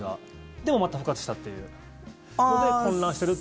でも、また復活したっていうので混乱してるっていう。